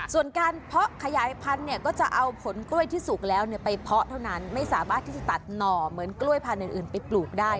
ส่วนการเพาะขยายพันธุ์เนี่ยก็จะเอาผลกล้วยที่สุกแล้วไปเพาะเท่านั้นไม่สามารถที่จะตัดหน่อเหมือนกล้วยพันธุ์อื่นไปปลูกได้